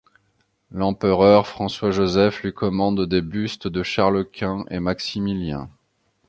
L'empereur François-Joseph lui commande des bustes de Charles Quint et Maximilien.